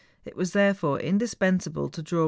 It was therefore indispensable to draw M.